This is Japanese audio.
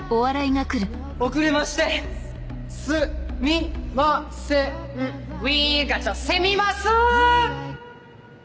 遅れましてすみませんウィガチャせみますん！